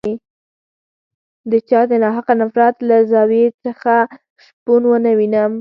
د چا د ناحقه نفرت له زاویې څخه شپون ونه وینم.